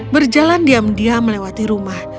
berjalan diam diam melewati rumah